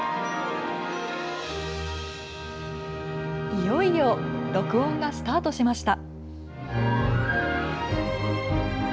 いよいよ、録音がスタートしました。